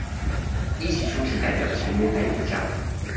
依其出席代表的成員來比較